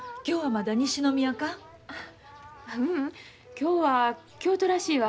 今日は京都らしいわ。